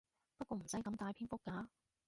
不過唔使咁大篇幅㗎